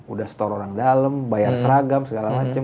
udah store orang dalam bayar seragam segala macam